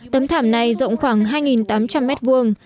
tấm thảm này rộng khoảng hai tám trăm linh mét vuông